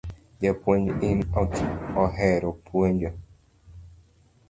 Japuonj ni ok ohero puonjo